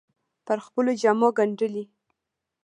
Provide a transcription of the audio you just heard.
پر خپلو جامو ګنډلې